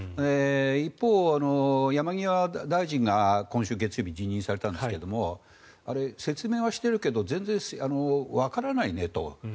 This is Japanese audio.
一方、山際大臣が今週月曜日に辞任されたんですがあれ、説明はしているけど全然わからないねと。